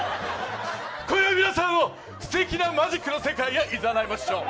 今宵、皆さんをすてきなマジックの世界にいざないましょう。